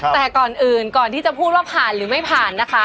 แต่ก่อนอื่นก่อนที่จะพูดว่าผ่านหรือไม่ผ่านนะคะ